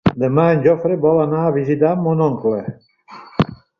Demà en Jofre vol anar a visitar mon oncle.